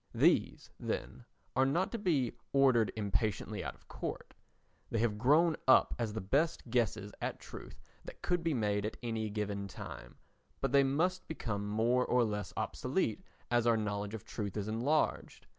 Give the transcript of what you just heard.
These, then, are not to be ordered impatiently out of court; they have grown up as the best guesses at truth that could be made at any given time, but they must become more or less obsolete as our knowledge of truth is enlarged.